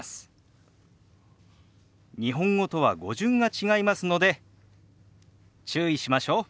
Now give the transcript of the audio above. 日本語とは語順が違いますので注意しましょう。